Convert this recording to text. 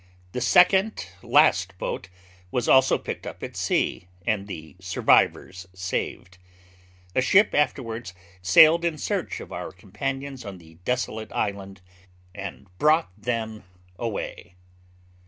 The second last boat was also picked up at sea, and the survivors saved. A ship afterwards sailed in search of our companions on the desolate island, and brought them away.'